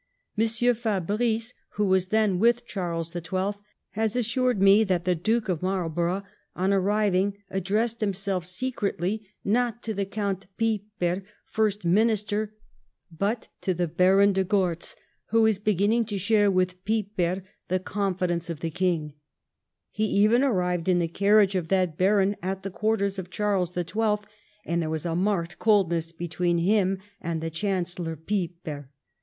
M. Fabrice, who was then with Charles the Twelfth, has assured me that the Duke of Marlborough on arriv ing addressed himself secretly not to the Count Piper, first minister, but to the Baron de Gortz, who was beginning to share with Piper the confidence of the King ; he even arrived in the carriage of that baron at the quarters of Charles the Twelfth, and there was a marked coldness between him and the Chancellor Piper.